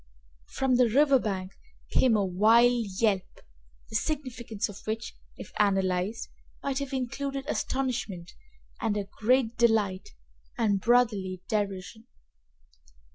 From the river bank came a wild yelp, the significance of which, if analyzed, might have included astonishment and great delight and brotherly derision.